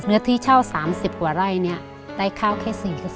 เหนือที่เช่า๓๐กว่าไร่ได้ข้าวแค่๔๒